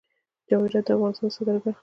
جواهرات د افغانستان د صادراتو برخه ده.